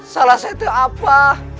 salah saya itu apa